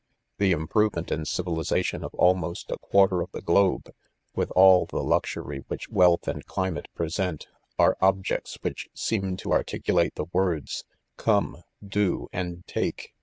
The improvement and civilisation of almost a quarter ,a£ the globe, with all the luxury\ which wealth and cli . mate present , are objects which seem to articulate the ^ words : come, do, and take